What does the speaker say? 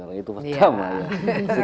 karena itu pertama ya